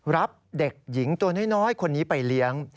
รับเด็กหญิงตัวน้อยคนนี้ไปเลี้ยง